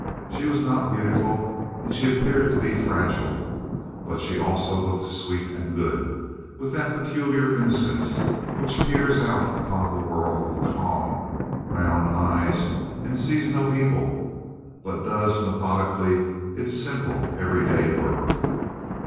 She was not beautiful, and she appeared to be fragile; but she also looked sweet and good, with that peculiar innocence which peers out upon the world with calm, round eyes and sees no evil, but does methodically its simple, everyday work.